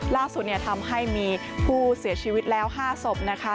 ล่าสุดทำให้มีผู้เสียชีวิตแล้ว๕ศพนะคะ